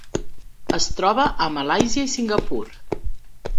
Es troba a Malàisia i Singapur.